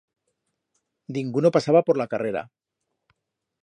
Dinguno pasaba por la carrera.